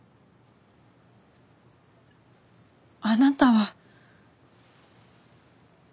あなたは。